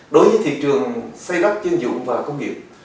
đối với thị trường xây đắp dân dụng và công nghiệp